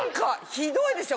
ひどいでしょ？